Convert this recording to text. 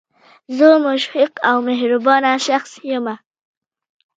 زه مشفق او مهربانه شخص یم